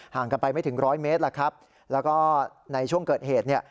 ห่างกันไปไม่ถึงร้อยเมตรแล้วครับแล้วก็ในช่วงเกิดเหตุเนี่ย